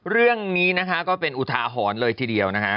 เรื่องนี้นะคะก็เป็นอุทาหรณ์เลยทีเดียวนะฮะ